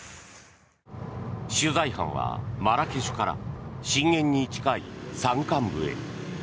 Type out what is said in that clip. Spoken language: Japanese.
取材班はマラケシュから震源に近い山間部へ。